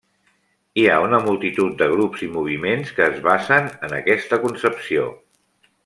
Hi ha una multitud de grups i moviments que es basen en aquesta concepció.